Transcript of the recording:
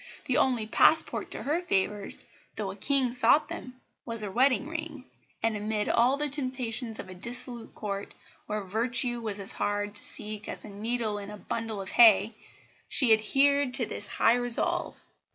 The only passport to her favours, though a King sought them, was a wedding ring; and amid all the temptations of a dissolute Court, where virtue was as hard to seek as a needle in a a bundle of hay, she adhered to this high resolve.